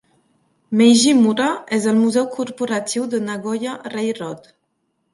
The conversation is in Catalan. Meiji Mura és el museu corporatiu de Nagoya Railroad.